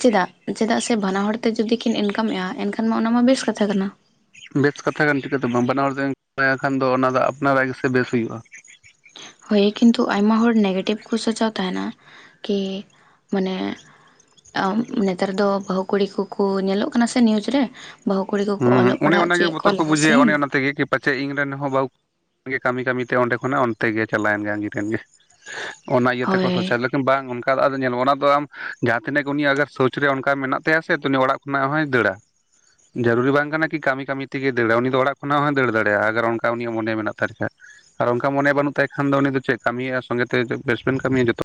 ᱪᱮᱫᱟᱜ ᱪᱮᱫᱟᱜ ᱥᱮ ᱵᱟᱱᱟ ᱦᱚᱲᱛᱮ ᱡᱩᱚᱫᱤ ᱠᱤᱱ ᱤᱱᱠᱟᱢᱮᱫᱼᱟ ᱮᱱᱠᱷᱟᱱ ᱢᱟ ᱚᱱᱟᱢᱟ ᱵᱮᱥ ᱠᱟᱛᱷᱟ ᱠᱟᱱᱟ᱾ ᱵᱮᱥ ᱠᱟᱛᱷᱟ ᱠᱟᱱ ᱪᱤᱠᱟᱹᱛᱮ ᱵᱟᱝ ᱵᱟᱱᱟ ᱦᱚᱲ ᱨᱮᱱ ᱠᱷᱟᱱ ᱫᱚ ᱚᱱᱟ ᱫᱚ ᱟᱯᱱᱟᱨᱟᱜ ᱜᱮᱥᱮ ᱵᱮᱥ ᱦᱩᱭᱩᱜᱼᱟ᱾ ᱦᱳᱭ ᱠᱤᱱᱛᱩ ᱟᱭᱢᱟ ᱦᱚᱲ ᱱᱮᱜᱮᱴᱤᱵᱷ ᱠᱚ ᱥᱚᱪᱟᱣ ᱛᱟᱦᱮᱱᱟ ᱠᱤ ᱢᱟᱱᱮ᱾ ᱟᱵ ᱱᱮᱛᱟᱨ ᱫᱚ ᱵᱟᱹᱦᱩ ᱠᱩᱲᱤ ᱠᱚᱠᱚ ᱧᱮᱞᱚᱜ ᱠᱟᱱᱟ ᱥᱮ ᱱᱤᱭᱩᱡᱽ ᱨᱮ ᱵᱟᱹᱦᱩ ᱠᱩᱲᱤ ᱠᱚ᱾ ᱦᱩᱸ ᱚᱱᱮ ᱚᱱᱟᱜᱮ ᱵᱚᱛᱚᱨ ᱠᱚ ᱵᱩᱡᱷᱟᱹᱭᱟ ᱚᱱᱮ ᱚᱱᱟ ᱛᱮᱜᱮ ᱠᱤ᱾ ᱯᱟᱪᱮᱫ ᱤᱧᱨᱮᱱ ᱦᱚᱸ ᱵᱟᱦᱩ ᱠᱩᱲᱤ ᱠᱟᱹᱢᱤ ᱠᱟᱹᱢᱤ ᱛᱮ ᱚᱸᱰᱮ ᱠᱷᱚᱱᱟᱜ ᱚᱱᱛᱮ ᱜᱮ ᱪᱟᱞᱟᱣᱮᱱ ᱜᱮ ᱟᱹᱜᱤᱨᱮᱱ ᱜᱮ᱾ ᱚᱱᱟ ᱤᱭᱟᱹ ᱛᱮᱠᱚ ᱦᱳᱭ ᱥᱚᱪᱟᱞᱮᱫ᱾ ᱵᱟᱝ ᱚᱱᱠᱟ ᱫᱚ ᱟᱫᱚ ᱧᱮᱞᱢᱮ ᱚᱱᱟ ᱫᱚ ᱟᱢ ᱡᱟᱦᱟᱸ ᱛᱤᱱᱟᱹᱜ ᱜᱮ ᱩᱱᱤ ᱟᱜᱟᱨ ᱥᱳᱪ ᱨᱮ ᱚᱱᱠᱟ ᱢᱮᱱᱟᱜ ᱛᱟᱭᱟ ᱥᱮ ᱩᱱᱤ ᱚᱲᱟᱜ᱾ ᱠᱷᱚᱱᱟᱜ ᱦᱚᱸᱭ ᱫᱟᱹᱲᱟ ᱡᱟᱹᱨᱩᱨᱤ ᱵᱟᱝ ᱠᱟᱱᱟ ᱡᱮᱼᱼ ᱠᱤ ᱠᱟᱹᱢᱤ ᱠᱟᱹᱢᱤ ᱛᱮᱜᱮ ᱫᱟᱹᱲᱟ ᱩᱱᱤ ᱫᱚ ᱚᱲᱟᱜ ᱠᱷᱚᱱᱟᱜ ᱦᱚᱸᱭ ᱫᱟᱹᱲ ᱫᱟᱲᱭᱟᱜᱼᱟ ᱟᱜᱟᱨ ᱚᱱᱠᱟ ᱩᱱᱤᱭᱟᱜ ᱢᱚᱱᱮ ᱢᱮᱱᱟᱜ ᱛᱟᱭ ᱠᱷᱟᱱ᱾ ᱟᱨ ᱚᱱᱠᱟ ᱢᱚᱱᱮ ᱵᱟᱹᱱᱩᱜ ᱛᱟᱭ ᱠᱷᱟᱱ ᱫᱚ ᱩᱱᱤ ᱫᱚ ᱪᱮᱜ ᱠᱟᱢᱤᱭᱟ ᱥᱚᱸᱜᱮᱛᱮ ᱵᱮᱥᱵᱮᱱ ᱠᱟᱢᱤᱭᱟ ᱡᱚᱛᱚ᱾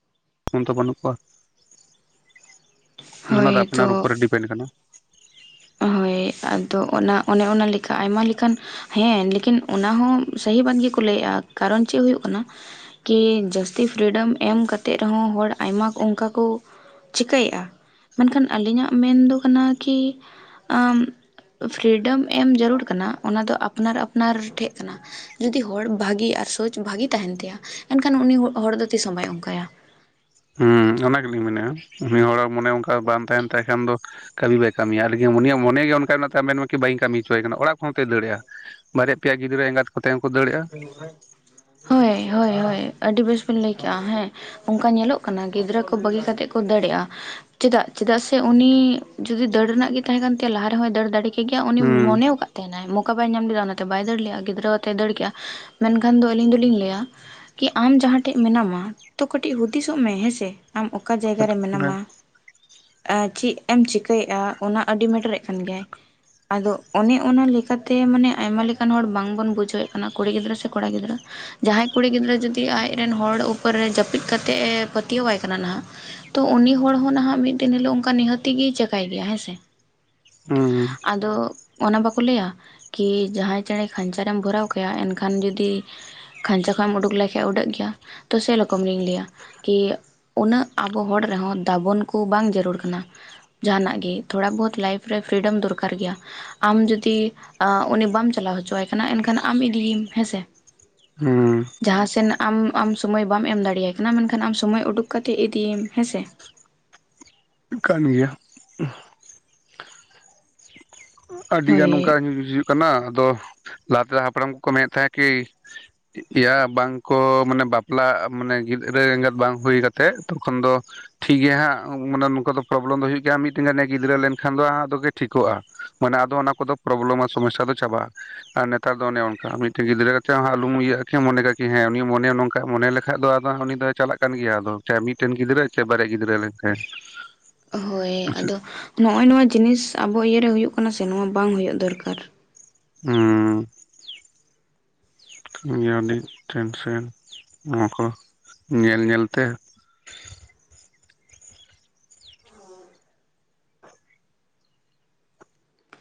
ᱠᱷᱚᱱ ᱛᱚ ᱵᱟᱹᱱᱩᱜ ᱠᱚᱣᱟ ᱚᱱᱟ ᱢᱟᱨ ᱦᱳᱭ ᱟᱯᱱᱟᱨ ᱛᱚ ᱩᱯᱚᱨᱮ ᱰᱤᱯᱮᱱᱰ ᱠᱟᱱᱟ᱾ ᱦᱳᱭ ᱟᱫᱚ ᱚᱱᱟ ᱚᱱᱮ ᱚᱱᱟ ᱞᱮᱠᱟ ᱟᱭᱢᱟ ᱞᱮᱠᱟᱱ᱾ ᱦᱮᱸ ᱞᱮᱠᱤᱱ ᱚᱱᱟᱦᱚᱸ ᱥᱟᱹᱦᱤ ᱵᱟᱫ ᱜᱮᱠᱚ ᱞᱟᱹᱭᱮᱜ-ᱟ ᱠᱟᱨᱚᱱ ᱪᱮᱜ ᱦᱳᱭᱳᱜ ᱠᱟᱱᱟ᱾ ᱠᱤ ᱡᱟᱹᱥᱛᱤ ᱯᱷᱨᱤᱰᱚᱢ ᱮᱢ ᱠᱟᱛᱮᱜ ᱨᱮᱦᱚᱸ ᱦᱚᱲ ᱟᱭᱢᱟ ᱚᱱᱠᱟ ᱠᱩ᱾ ᱪᱤᱠᱟᱹᱭᱮᱜ-ᱟ ᱢᱮᱱᱠᱷᱟᱱ ᱟᱹᱞᱤᱧᱟᱜ ᱢᱮᱱ ᱫᱚ ᱠᱟᱱᱟ ᱠᱤ᱾ ᱟᱢ ᱯᱷᱨᱤᱰᱚᱢ ᱮᱢ ᱡᱟᱹᱨᱩᱲ ᱠᱟᱱᱟ ᱚᱱᱟ ᱫᱚ ᱟᱯᱱᱟᱨ ᱟᱯᱱᱟᱨ ᱴᱷᱮᱜ ᱠᱟᱱᱟ᱾ ᱡᱩᱫᱤ ᱦᱚᱲ ᱵᱷᱟᱜᱤ ᱟᱨ ᱥᱳᱪ ᱵᱷᱟᱜᱤ ᱛᱟᱦᱮᱱ ᱛᱟᱭᱟ ᱮᱱᱠᱷᱟᱱ ᱩᱱᱤ ᱦᱚᱲ ᱫᱚ ᱛᱤᱥ ᱦᱚᱸ ᱵᱟᱭ ᱚᱱᱠᱟᱭᱟ᱾ ᱦᱩᱸ ᱚᱱᱟ ᱜᱮᱞᱤᱧ ᱢᱮᱱᱮᱜ-ᱟ ᱩᱱᱤ ᱦᱚᱲᱟᱜ ᱢᱚᱱᱮ ᱚᱱᱠᱟ ᱵᱟᱝ ᱛᱟᱦᱮᱱ ᱛᱟᱭ ᱠᱷᱟᱱ ᱫᱚ᱾ ᱠᱟᱹᱢᱤ ᱵᱟᱭ ᱠᱟᱢᱤᱭᱟ ᱟᱨᱠᱤ ᱩᱱᱤᱭᱟᱜ ᱢᱚᱱᱮ ᱜᱮ ᱚᱱᱠᱟᱱᱟᱜ ᱛᱟᱭ ᱢᱮᱱ ᱢᱟ ᱠᱤ ᱵᱟᱹᱧ ᱠᱟᱢᱤ ᱦᱚᱪᱳᱭᱟᱭ ᱠᱟᱱᱟ ᱚᱲᱟᱜ ᱠᱷᱚᱱ ᱦᱚᱸᱛᱚᱭ ᱫᱟᱹᱲᱮᱜ-ᱟ᱾ ᱵᱟᱨᱭᱟ ᱯᱮᱭᱟ ᱜᱤᱫᱽᱨᱟᱹ ᱮᱸᱜᱟᱛ᱾ ᱠᱚᱛᱮ ᱦᱚᱸᱠᱚ ᱫᱟᱹᱲ᱾ [unintelligible] ᱦᱳᱭ ᱦᱳᱭ ᱦᱳᱭ ᱟᱹᱰᱤ ᱵᱮᱥ ᱵᱮᱱ ᱞᱟᱹᱭ ᱠᱮᱜ-ᱟ ᱦᱮᱸ᱾ ᱚᱱᱠᱟ ᱧᱮᱞᱚᱜ ᱠᱟᱱᱟ ᱜᱤᱫᱽᱨᱟᱹ ᱠᱚ ᱵᱟᱹᱜᱤ ᱠᱟᱛᱮᱜ ᱠᱚ ᱫᱟᱹᱲᱮᱜ-ᱟ᱾ ᱪᱮᱫᱟᱜ ᱪᱮᱫᱟᱜ ᱥᱮ ᱩᱱᱤ ᱡᱩᱫᱤ ᱫᱟᱹᱲ ᱨᱮᱱᱟᱜ ᱜᱤ ᱛᱟᱦᱮᱸ ᱠᱟᱱ ᱛᱟᱭᱟ ᱞᱟᱦᱟ ᱨᱮᱦᱚᱸᱭ ᱫᱟᱹᱲ ᱫᱟᱲᱤᱜ ᱴᱷᱤᱠ ᱜᱮᱭᱟ ᱩᱱᱤ ᱦᱩᱸ ᱢᱚᱱᱮᱣᱠᱟᱜ ᱛᱟᱦᱮᱸᱱᱟᱭ ᱢᱚᱠᱟ ᱵᱟᱭ ᱧᱟᱢ ᱞᱮᱫᱟ ᱚᱱᱟᱛᱮ ᱵᱟᱭ ᱫᱟᱹᱲ ᱞᱮᱜ-ᱟ ᱜᱤᱫᱽᱨᱟᱹᱣ ᱟᱛᱮᱭ ᱫᱟᱹᱲ ᱠᱮᱜ-ᱟ᱾ ᱢᱮᱱᱠᱷᱟᱱ ᱫᱚ ᱟᱹᱞᱤᱧ ᱫᱚᱞᱤᱧ ᱞᱟᱹᱭᱟ᱾ ᱠᱤ ᱟᱢ ᱡᱟᱦᱟᱸ ᱴᱷᱮᱡ ᱢᱮᱱᱟᱢᱟ ᱛᱚ ᱠᱟᱹᱴᱤᱡ ᱦᱩᱫᱤᱥᱚᱜ ᱢᱮ ᱦᱮᱸᱥᱮ᱾ ᱟᱢ ᱚᱠᱟ ᱡᱟᱭᱜᱟ ᱨᱮ ᱢᱮᱱᱟᱢᱟ᱾ ᱮᱸ ᱪᱤᱜ ᱮᱢ ᱪᱤᱠᱟᱹᱭᱮᱜ-ᱟ ᱚᱱᱟ ᱟᱰᱤ ᱢᱮᱴᱟᱨᱮᱜ ᱠᱟᱱ ᱜᱮᱭᱟᱭ᱾ ᱟᱫᱚ ᱚᱱᱮ ᱚᱱᱟ ᱞᱮᱠᱟᱛᱮ ᱢᱟᱱᱮ ᱟᱭᱢᱟ ᱞᱮᱠᱟᱱ ᱦᱚᱲ ᱵᱟᱝ ᱵᱚᱱ ᱵᱩᱡᱷᱟᱹᱣᱮᱜ᱾ ᱠᱩᱲᱤ ᱜᱤᱫᱽᱨᱟᱹ ᱥᱮ ᱠᱚᱲᱟ ᱜᱤᱫᱽᱨᱟᱹ᱾ ᱡᱟᱦᱟᱸᱭ ᱠᱩᱲᱤ ᱜᱤᱫᱽᱨᱟᱹ ᱡᱩᱫᱤ ᱟᱡᱨᱮᱱ ᱦᱚᱲ ᱩᱯᱚᱨ ᱨᱮ ᱡᱟᱹᱯᱤᱫ ᱠᱟᱛᱮᱜ ᱮ ᱯᱟᱹᱛᱭᱟᱹᱣᱟᱭ ᱠᱟᱱᱟ ᱱᱷᱟᱜ᱾ ᱛᱚ ᱩᱱᱤ ᱦᱚᱲ ᱦᱚᱸ ᱱᱟᱦᱟᱜ ᱢᱤᱫ ᱫᱤᱱ ᱦᱤᱞᱳᱜ ᱚᱱᱠᱟ ᱱᱤᱦᱟᱹᱛᱤ ᱜᱤ ᱪᱟᱠᱷᱟᱭ ᱜᱮᱭᱟ ᱦᱮᱸ ᱥᱮ᱾ ᱦᱩᱸ ᱟᱫᱚ ᱚᱱᱟ ᱵᱟᱠᱚ ᱞᱟᱹᱭᱟ ᱠᱤ ᱡᱟᱦᱟᱸᱭ ᱪᱮᱬᱮ ᱠᱷᱟᱧᱪᱟᱮᱢ ᱵᱷᱚᱨᱟᱣ᱾ ᱠᱟᱭᱟ ᱮᱱᱠᱷᱟᱱ ᱡᱩᱫᱤ ᱠᱷᱟᱧᱪᱟ ᱠᱷᱭ ᱮᱢ ᱩᱰᱩᱠ ᱞᱮᱠᱷᱟᱡ ᱩᱰᱟᱹᱜ ᱜᱮᱭᱟ ᱛᱚ ᱥᱮᱨᱚᱠᱚᱢ ᱞᱤᱧ ᱞᱟᱹᱭᱟ᱾ ᱠᱤ ᱩᱱᱟᱹᱜ ᱟᱵᱚ ᱦᱚᱲ ᱨᱮᱦᱚᱸ ᱫᱟᱵᱚᱱ ᱠᱩ ᱵᱟᱝ ᱡᱟᱨᱩᱲ ᱠᱟᱱᱟ᱾ ᱡᱟᱦᱟᱱᱟᱜ ᱜᱤ ᱛᱷᱚᱲᱟ ᱵᱚᱦᱚᱛ ᱞᱟᱭᱤᱯᱷ ᱨᱮ ᱯᱷᱨᱤᱰᱢ ᱫᱚᱨᱠᱟᱨ ᱜᱮᱭᱟ᱾ ᱟᱢ ᱡᱩᱫᱤ ᱟᱸ ᱩᱱᱤ ᱵᱟᱢ ᱪᱟᱞᱟᱣ ᱦᱚᱪᱚᱣᱟᱭ ᱠᱟᱱᱟ ᱮᱱᱠᱷᱟᱱ ᱟᱢ ᱤᱫᱤᱭᱤᱢ ᱦᱮᱸᱥᱮ᱾ ᱦᱩᱸ᱾ ᱡᱟᱦᱟᱸᱥᱮᱱ ᱟᱢ ᱟᱢ ᱥᱳᱢᱚᱭ ᱵᱟᱢ ᱮᱢ ᱫᱟᱲᱤᱭᱟᱭ ᱠᱟᱱᱟ ᱢᱮᱱᱠᱷᱟᱱ ᱟᱢ ᱥᱳᱢᱚᱭ ᱩᱰᱩᱠ ᱠᱟᱛᱮ ᱤᱫᱤᱭᱤᱢ ᱦᱮᱸᱥᱮ᱾ ᱠᱟᱱ ᱜᱮᱭᱟ᱾ ᱟᱹᱰᱤ ᱜᱟᱱ ᱦᱳᱭ ᱚᱱᱠᱟ [unintelligible] ᱦᱩᱭᱩᱜ ᱠᱟᱱᱟ ᱟᱫᱚ ᱞᱟᱦᱟᱛᱮᱱ ᱦᱟᱯᱲᱟᱢ ᱠᱚᱠᱚ ᱢᱮᱱᱮᱜ ᱛᱟᱦᱮᱸ ᱠᱤ᱾ ᱮᱭᱟ ᱵᱟᱝᱠᱚ ᱢᱟᱱᱮ ᱵᱟᱯᱞᱟ ᱢᱟᱱᱮ ᱜᱤᱫᱽᱨᱟᱹ ᱮᱸᱜᱟᱛ ᱵᱟᱝ ᱦᱩᱭ ᱠᱟᱛᱮᱜ ᱛᱚᱠᱷᱚᱱ ᱫᱚ᱾ ᱴᱷᱤᱠ ᱜᱮᱭᱟ ᱦᱟᱸᱜ ᱢᱟᱱᱮ ᱱᱚᱝᱠᱟ ᱫᱚ ᱯᱨᱚᱵᱞᱮᱢ ᱫᱚ ᱦᱩᱭᱩᱜ ᱜᱮᱭᱟ ᱢᱤᱜᱴᱮᱱ ᱜᱟᱱᱮ ᱜᱤᱫᱽᱨᱟᱹ ᱞᱮᱱᱠᱷᱟᱱ ᱫᱚ ᱦᱟᱸᱜ ᱛᱚᱜᱤ ᱴᱷᱤᱠᱚᱜ-ᱟ᱾ ᱢᱟᱱᱮ ᱟᱫᱚ ᱚᱱᱟ ᱠᱚᱫᱚ ᱯᱨᱚᱵᱞᱮᱢ ᱟ ᱥᱚᱢᱚᱥᱥᱟ ᱫᱚ ᱪᱟᱵᱟᱜ-ᱟ᱾ ᱟᱨ ᱱᱮᱛᱟᱨ ᱫᱚ ᱚᱱᱮ ᱚᱱᱠᱟ ᱢᱤᱴᱤᱜ ᱜᱤᱫᱽᱨᱟᱹ ᱠᱟᱛᱮᱜ ᱦᱚᱸ ᱟᱞᱚᱢ ᱤᱭᱟᱹᱜ-ᱟ ᱠᱤ ᱢᱚᱱᱮ ᱠᱟᱜ ᱠᱤ ᱦᱮᱸ ᱩᱱᱤ ᱦᱚᱸ ᱢᱚᱱᱮ ᱱᱚᱝᱠᱟ ᱢᱚᱱᱮ ᱞᱮᱠᱷ ᱟᱜ ᱫᱚ ᱟᱫᱚ ᱩᱱᱤ ᱫᱚᱭ ᱪᱟᱞᱟᱜ ᱠᱟᱱ ᱜᱮᱭᱟ ᱟᱫᱚ ᱪᱟᱦᱮ ᱢᱤᱜᱴᱮᱱ ᱜᱤᱫᱽᱨᱟᱹ ᱪᱟᱦᱮ ᱵᱟᱨᱭᱟ ᱜᱤᱫᱽᱨᱟᱹ ᱦᱩᱭᱮᱱ ᱛᱟᱭ᱾ ᱦᱳᱭ ᱟᱫᱚ ᱱᱚᱜ-ᱚᱭ ᱱᱚᱣᱟ ᱡᱤᱱᱤᱥ ᱟᱵᱚ ᱤᱭᱟᱹᱨᱮ ᱦᱩᱭᱩᱜ ᱠᱟᱱᱟ ᱥᱮ ᱱᱚᱣᱟ ᱵᱟᱝ ᱦᱩᱭᱩᱜ ᱫᱚᱨᱠᱟᱨ᱾ ᱦᱩᱸ ᱴᱷᱤᱠ ᱜᱮᱭᱟ ᱟᱹᱰᱤ ᱴᱮᱱᱥᱮᱱ᱾ ᱱᱚᱣᱟ ᱠᱚ ᱧᱮᱞ ᱧᱮᱞᱛᱮ᱾